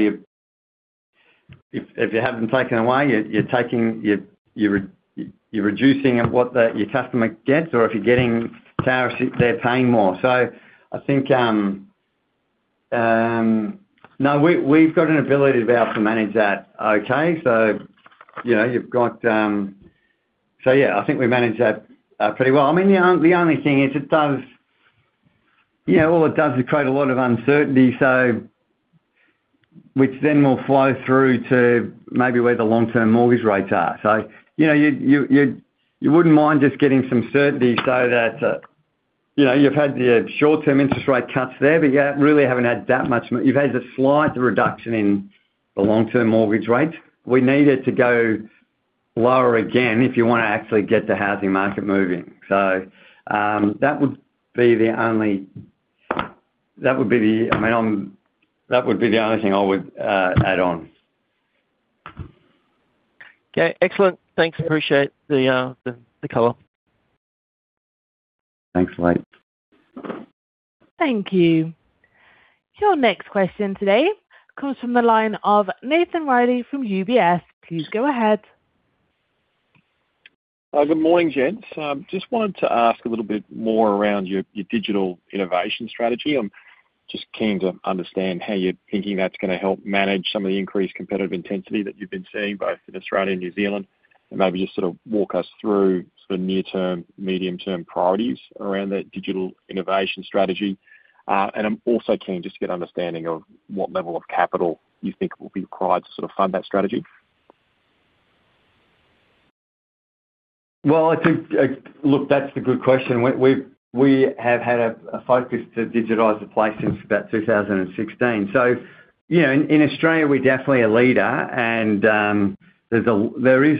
if you have them taken away, you're, you're taking, you're, you're, you're reducing what your customer gets, or if you're getting tariffs, they're paying more. I think. No, we, we've got an ability to be able to manage that okay, so, you know, you've got. Yeah, I think we manage that pretty well. I mean, the only, the only thing is it does. You know, all it does is create a lot of uncertainty, so, which then will flow through to maybe where the long-term mortgage rates are. You know, you, you, you, you wouldn't mind just getting some certainty so that, you know, you've had the short-term interest rate cuts there, but you really haven't had that much. You've had a slight reduction in the long-term mortgage rate. We need it to go lower again, if you want to actually get the housing market moving. I mean, that would be the only, that would be the. I mean, that would be the only thing I would add on. Okay, excellent. Thanks. I appreciate the call. Thanks a lot. Thank you. Your next question today comes from the line of Nathan Reilly from UBS. Please go ahead. Good morning, gents. Just wanted to ask a little bit more around your, your digital innovation strategy. I'm just keen to understand how you're thinking that's gonna help manage some of the increased competitive intensity that you've been seeing, both in Australia and New Zealand, maybe just sort of walk us through sort of near-term, medium-term priorities around that digital innovation strategy. I'm also keen just to get an understanding of what level of capital you think will be required to sort of fund that strategy. Well, I think, look, that's the good question. We, we've, we have had a focus to digitize the place since about 2016. You know, in Australia, we're definitely a leader, and there is,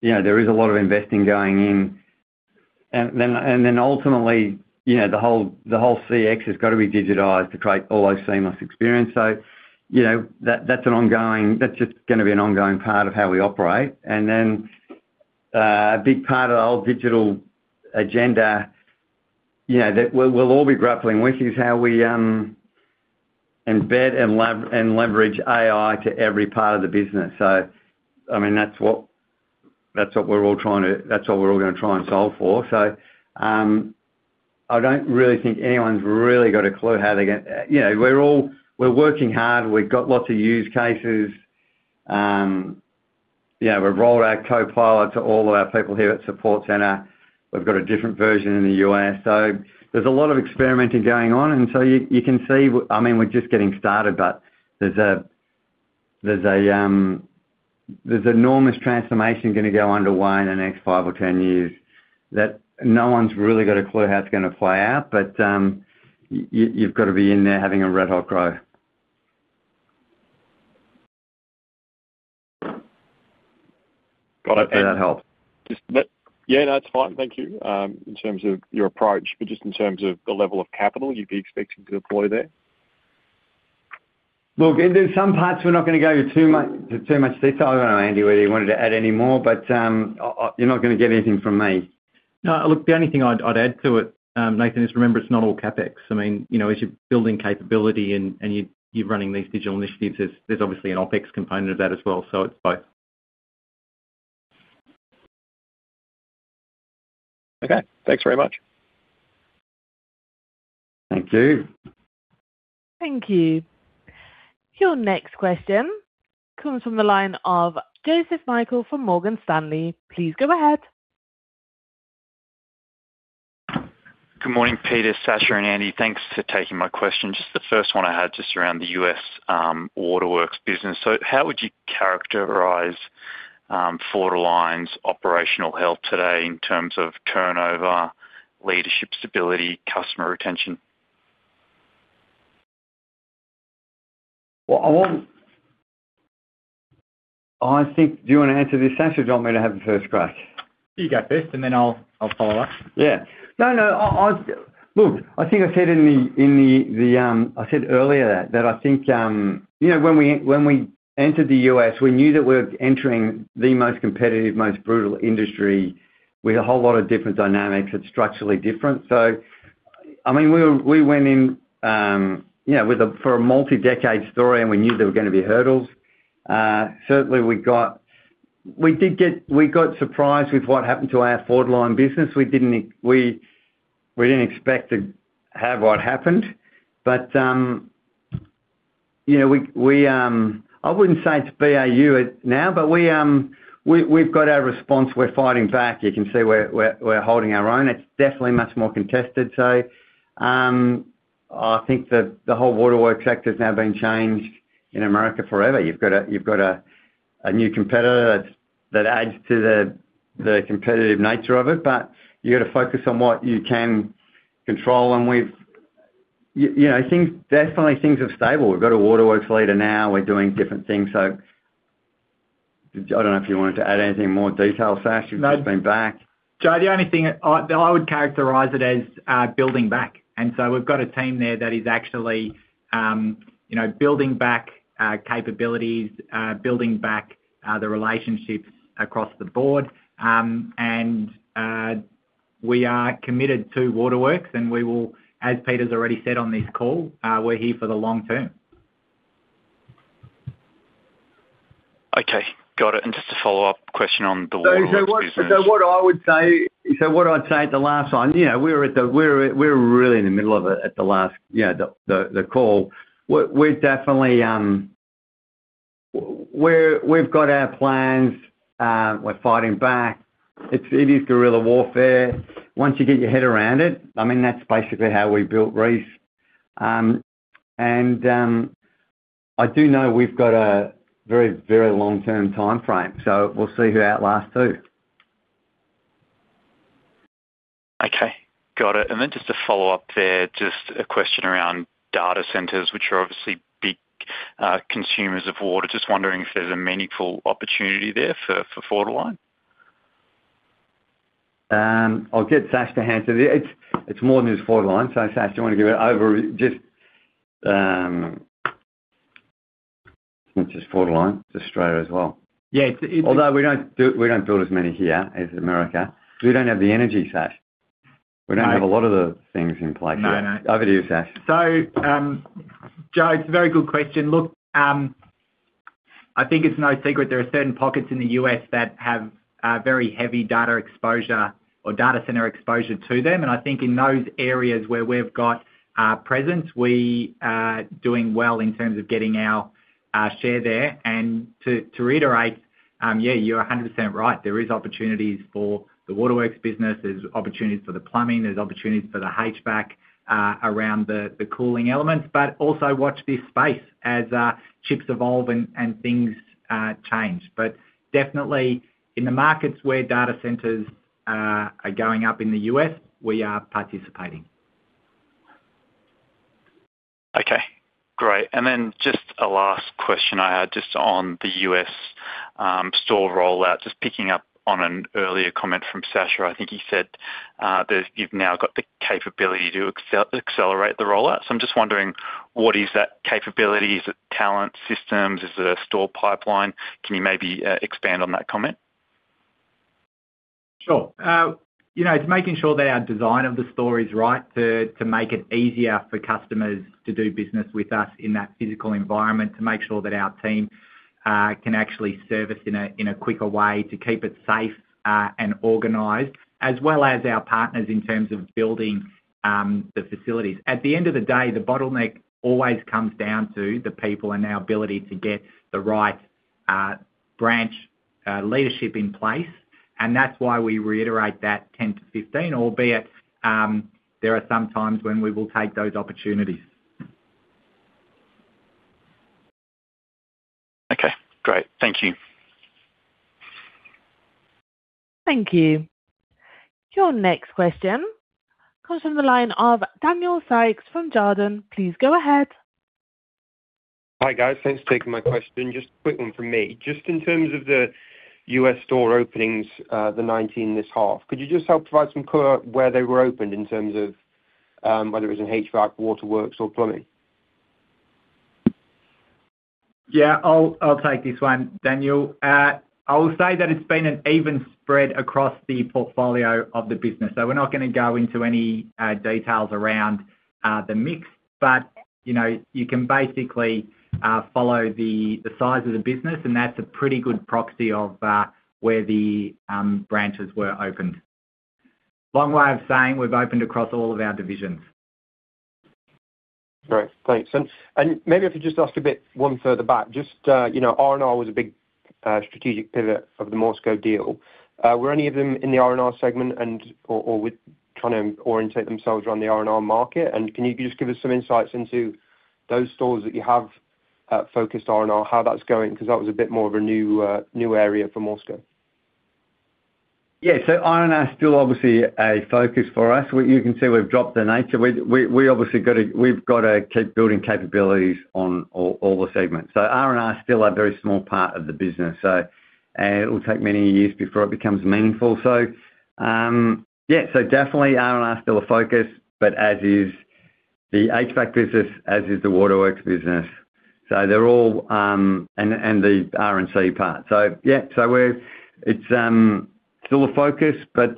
you know, there is a lot of investing going in. Then, ultimately, you know, the whole CX has got to be digitized to create all those seamless experience. You know, that, that's an ongoing part. That's just gonna be an ongoing part of how we operate. Then, a big part of the whole digital agenda, you know, that we'll, we'll all be grappling with, is how we embed and leverage AI to every part of the business. I mean, that's what, that's what we're all trying to-- That's what we're all gonna try and solve for. I don't really think anyone's really got a clue how they're gonna... You know, we're all, we're working hard. We've got lots of use cases. You know, we've rolled out Copilot to all of our people here at Support Center. We've got a different version in the US. There's a lot of experimenting going on, and so you, you can see, I mean, we're just getting started, but there's a, there's a, there's enormous transformation gonna go underway in the next 5 or 10 years, that no one's really got a clue how it's gonna play out, but, you, you, you've got to be in there having a red hot grow. Got it. That helps. Yeah, that's fine. Thank you, in terms of your approach, but just in terms of the level of capital you'd be expecting to deploy there? Look, in some parts, we're not gonna go into too much, too much detail. I don't know, Andy, whether you wanted to add any more, but, you're not gonna get anything from me. No, look, the only thing I'd, I'd add to it, Nathan, is remember, it's not all CapEx. I mean, you know, as you're building capability and, and you're, you're running these digital initiatives, there's, there's obviously an OpEx component of that as well, so it's both. Okay. Thanks very much. Thank you. Thank you. Your next question comes from the line of Joseph Michael from Morgan Stanley. Please go ahead. Good morning, Peter, Sasha, and Andy. Thanks for taking my question. Just the first one I had, just around the US Waterworks business. How would you characterize Waterworks' operational health today in terms of turnover, leadership, stability, customer retention? I think, do you want to answer this, Sasha, or do you want me to have the first crack? You go first, and then I'll, I'll follow up. Yeah. No, no, I, I... Look, I think I said in the, in the, the, I said earlier that, that I think, you know, when we, when we entered the U.S., we knew that we're entering the most competitive, most brutal industry with a whole lot of different dynamics. It's structurally different. I mean, we went in, you know, for a multi-decade story, and we knew there were gonna be hurdles. Certainly we got surprised with what happened to our Fortiline business. We didn't expect to have what happened, but, you know, we, we, I wouldn't say it's BAU now, but we, we've got our response. We're fighting back. You can see we're, we're, we're holding our own. It's definitely much more contested. I think that the whole Waterworks sector has now been changed in America forever. You've got a, you've got a, a new competitor that's, that adds to the, the competitive nature of it, but you got to focus on what you can control. We've, you know, things, definitely things have stable. We've got a Waterworks leader now. We're doing different things. I don't know if you wanted to add anything more detail, Sash, you've just been back. Joe, the only thing I that I would characterize it as, building back. So we've got a team there that is actually, you know, building back capabilities, building back the relationships across the board. We are committed to Waterworks, and we will, as Peter's already said on this call, we're here for the long term. Okay, got it. Just a follow-up question on the Waterworks business. What I'd say the last time, you know, we're, we're really in the middle of it at the last, you know, the, the, the call. We're, we're definitely. We're, we've got our plans, we're fighting back. It's, it is guerrilla warfare. Once you get your head around it, I mean, that's basically how we built Reece. And I do know we've got a very, very long-term timeframe, so we'll see who outlasts who. Okay, got it. Just to follow up there, just a question around data centers, which are obviously big consumers of water. Just wondering if there's a meaningful opportunity there for, for Waterline? I'll get Sash to answer it. It's, it's more than just Waterline. Sash, do you want to give it over? Just, not just Waterline, it's Australia as well. Yeah. Although we don't do, we don't build as many here as America. We don't have the energy, Sash. No. We don't have a lot of the things in place here. No, no. Over to you, Sash. Joe, it's a very good question. I think it's no secret there are certain pockets in the US that have very heavy data exposure or data center exposure to them. I think in those areas where we've got presence, we are doing well in terms of getting our share there. To reiterate, yeah, you're 100% right. There is opportunities for the Waterworks business, there's opportunities for the plumbing, there's opportunities for the HVAC around the cooling elements, but also watch this space as chips evolve and things change. Definitely in the markets where data centers are going up in the US, we are participating. Okay, great. Just a last question I had just on the US store rollout. Just picking up on an earlier comment from Sasha, I think you said that you've now got the capability to accelerate the rollout. I'm just wondering, what is that capability? Is it talent systems? Is it a store pipeline? Can you maybe expand on that comment? Sure. you know, it's making sure that our design of the store is right to, to make it easier for customers to do business with us in that physical environment, to make sure that our team, can actually service in a, in a quicker way, to keep it safe, and organized, as well as our partners in terms of building, the facilities. At the end of the day, the bottleneck always comes down to the people and our ability to get the right, branch, leadership in place, and that's why we reiterate that 10-15, albeit, there are some times when we will take those opportunities. Okay, great. Thank you. Thank you. Your next question comes from the line of Daniel Sykes from Jarden. Please go ahead. Hi, guys. Thanks for taking my question. Just a quick one from me. Just in terms of the US store openings, the 19 this half, could you just help provide some color where they were opened in terms of, whether it was in HVAC, Waterworks or plumbing? Yeah, I'll, I'll take this one, Daniel. I will say that it's been an even spread across the portfolio of the business. We're not gonna go into any details around the mix, but, you know, you can basically follow the, the size of the business, and that's a pretty good proxy of where the branches were opened. Long way of saying we've opened across all of our divisions. Great, thanks. Maybe if I could just ask a bit, one further back, just, you know, RMR was a big, strategic pivot of the MORSCO deal. Were any of them in the RMR segment and, or, or with trying to orientate themselves around the RMR market? Can you just give us some insights into those stores that you have, focused RMR, how that's going? Because that was a bit more of a new, new area for MORSCO. Yeah, RMR is still obviously a focus for us. You can see we've dropped the nature. We, we, we obviously we've got to keep building capabilities on all, all the segments. RMR is still a very small part of the business, so it will take many years before it becomes meaningful. Yeah, definitely RMR is still a focus, but as is the HVAC business, as is the Waterworks business. They're all... And the RNC part. Yeah, it's still a focus, but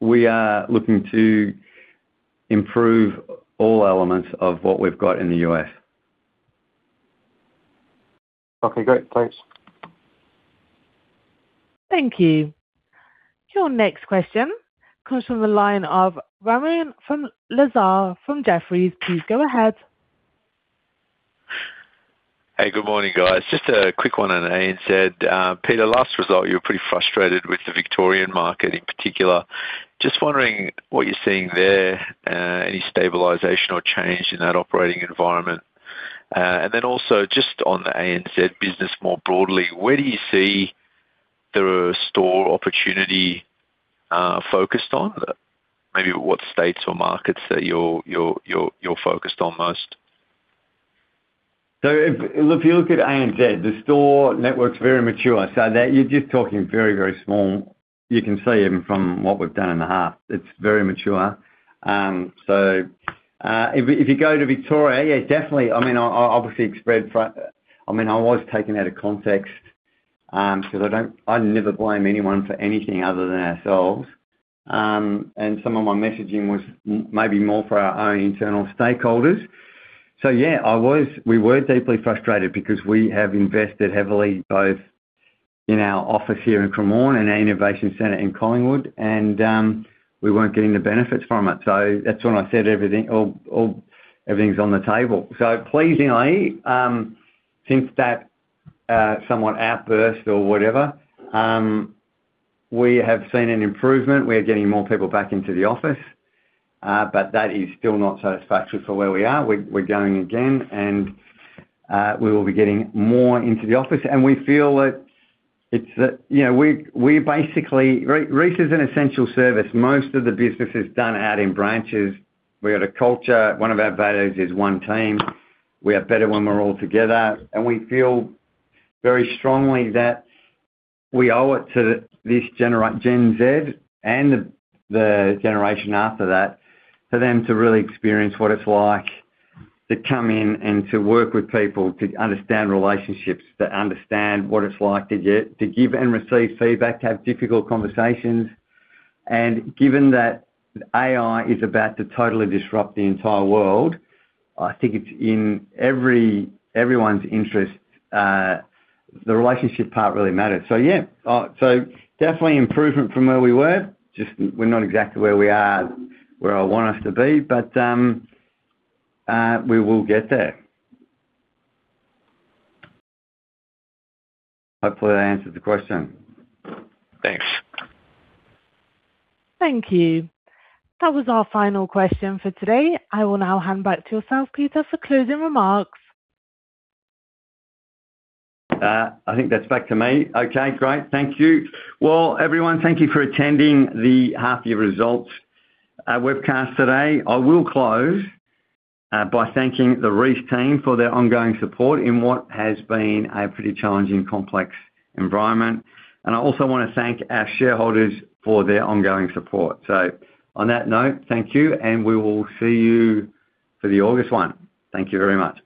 we are looking to improve all elements of what we've got in the US. Okay, great. Thanks. Thank you. Your next question comes from the line of Ramoun Lazar from Jefferies. Please go ahead. Hey, good morning, guys. Just a quick one on ANZ. Peter, last result, you were pretty frustrated with the Victorian market in particular. Just wondering what you're seeing there, any stabilization or change in that operating environment? Then also just on the ANZ business, more broadly, where do you see there are store opportunity, focused on? Maybe what states or markets that you're, you're, you're, you're focused on most? If, if you look at ANZ, the store network's very mature, so that you're just talking very, very small. You can see even from what we've done in the half, it's very mature. If, if you go to Victoria, yeah, definitely, I mean, I, I obviously expressed fru- I mean, I was taken out of context, because I don't-- I never blame anyone for anything other than ourselves. And some of my messaging was m- maybe more for our own internal stakeholders. Yeah, I was, we were deeply frustrated because we have invested heavily, both in our office here in Cremorne and our innovation center in Collingwood, and we weren't getting the benefits from it. That's when I said everything, all, all, everything's on the table. Pleasingly, since that, somewhat outburst or whatever, we have seen an improvement. We're getting more people back into the office, but that is still not satisfactory for where we are. We're going again, and we will be getting more into the office, and we feel that it's, you know, we basically... Reece is an essential service. Most of the business is done out in branches. We got a culture. One of our values is one team. We are better when we're all together, and we feel very strongly that we owe it to this Gen Z and the, the generation after that, for them to really experience what it's like to come in and to work with people, to understand relationships, to understand what it's like to give, to give and receive feedback, to have difficult conversations. Given that AI is about to totally disrupt the entire world, I think it's in everyone's interest, the relationship part really matters. Yeah, definitely improvement from where we were. Just we're not exactly where we are, where I want us to be, but we will get there. Hopefully, that answers the question. Thanks. Thank you. That was our final question for today. I will now hand back to yourself, Peter, for closing remarks. I think that's back to me. Okay, great. Thank you. Well, everyone, thank you for attending the half year results, webcast today. I will close, by thanking the Reece team for their ongoing support in what has been a pretty challenging, complex environment. I also wanna thank our shareholders for their ongoing support. On that note, thank you, and we will see you for the August one. Thank you very much.